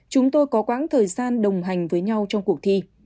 chúng tôi có quãng thời gian đồng hành với nhau trong cuộc thi